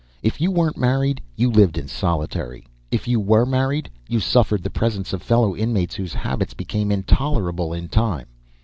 If you weren't married, you lived in "solitary"; if you were married, you suffered the presence of fellow inmates whose habits became intolerable, in time.